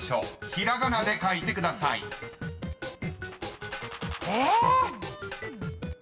ひらがなで書いてください］え